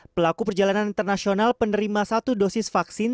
pelaku perjalanan internasional penerima satu dosis vaksin